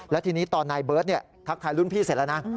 และทีนี้ตอนนายเบิร์ตทักทายรุ่นพี่เสร็จแล้วนะ